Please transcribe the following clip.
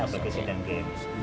aplikasi dan games